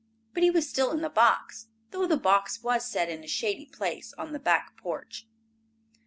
But he was still in the box, though the box was set in a shady place on the back porch.